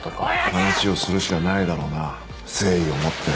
話をするしかないだろうな誠意を持って。